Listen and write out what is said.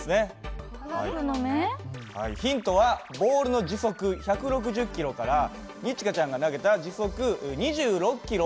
ヒントはボールの時速１６０キロから二千翔ちゃんが投げた時速２６キロを引いた残り。